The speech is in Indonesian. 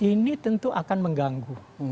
ini tentu akan mengganggu